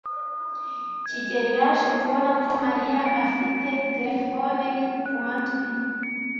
kigeli yaje kubona ko Mariya afite terefone kumatwi.